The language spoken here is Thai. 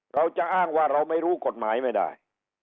เราจะอ้างว่าเราไม่รู้กฎหมายไม่ได้